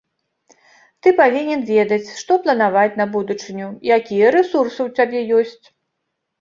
Ты павінен ведаць, што планаваць на будучыню, якія рэсурсы ў цябе ёсць.